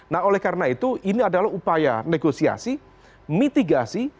nah oleh karena itu ini adalah upaya negosiasi mitigasi